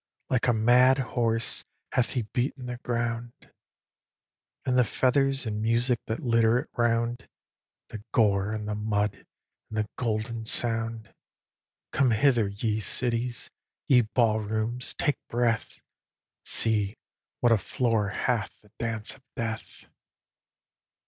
Like a mad horse hath he beaten the ground, And the feathers and music that litter it round, The gore, and the mud, and the golden sound. Come hither, ye cities! ye ball rooms, take breath! See what a floor hath the dance of death!